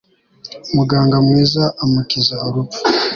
muganga mwiza amukiza urupfu